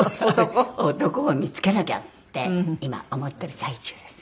男を見つけなきゃって今思ってる最中です。